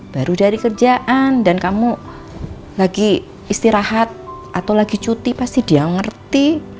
baru dari kerjaan dan kamu lagi istirahat atau lagi cuti pasti dia ngerti